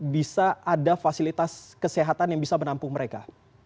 bisa ada fasilitas kesehatan yang bisa menampung mereka